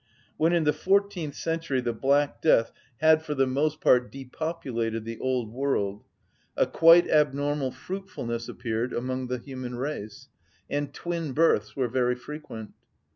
When in the fourteenth century the black death had for the most part depopulated the old world, a quite abnormal fruitfulness appeared among the human race, and twin‐births were very frequent.